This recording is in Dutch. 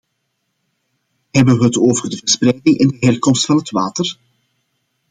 Hebben we het over de verspreiding en de herkomst van het water?